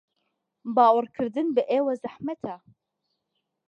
باوەڕکردن بە ئێوە زەحمەتە.